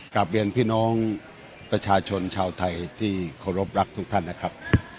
กลับเรียนพี่น้องประชาชนชาวไทยที่เคารพรักทุกท่านนะครับ